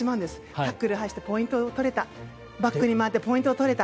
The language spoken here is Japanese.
タックルしてポイント取れたバックに回ってポイント取れた。